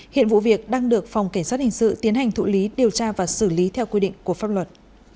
hiện vụ việc đang được phòng cảnh sát hình sự tiến hành thụ lý điều tra và xử lý theo quy định của pháp luật